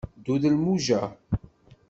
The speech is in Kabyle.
Ddu d lmuja!